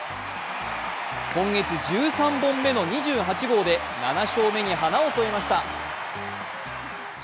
今月１３本目の２８号で７勝目に花を添えました。